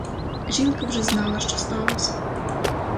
Жінка вже знала, що сталося.